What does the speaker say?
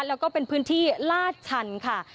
แล้วก็เป็นพื้นที่ลาดชันค่ะ